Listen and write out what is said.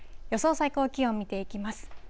最高気温見ていきます。